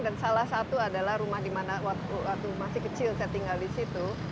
dan salah satu adalah rumah di mana waktu masih kecil saya tinggal di situ